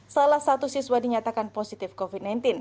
salah satu siswa dinyatakan positif covid sembilan belas